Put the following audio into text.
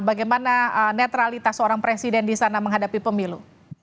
bagaimana netralitas seorang presiden di sana menghadapi pemilu